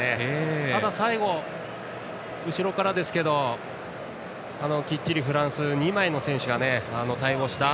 ただ最後、後ろからですけどきっちりフランスは２枚の選手が対応した。